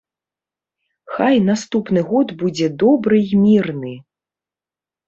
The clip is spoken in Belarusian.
Хай наступны год будзе добры і мірны.